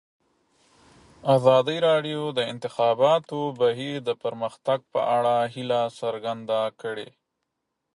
ازادي راډیو د د انتخاباتو بهیر د پرمختګ په اړه هیله څرګنده کړې.